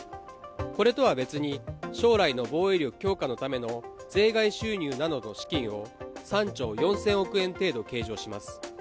これとは別に将来の防衛力強化のための税外収入などの資金を３兆４０００億円程度計上します。